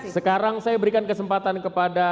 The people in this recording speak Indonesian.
sekarang saya berikan kesempatan kepada